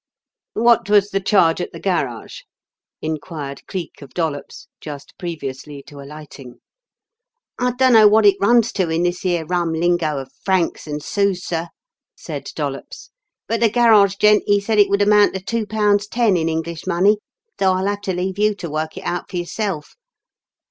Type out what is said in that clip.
"What was the charge at the garage?" inquired Cleek of Dollops just previously to alighting. "I dunno wot it runs to in this 'ere rum lingo of francs and sous, sir," said Dollops, "but the garage gent he said it would amount to two pounds ten in English money, so I'll have to leave you to work it out for yourself.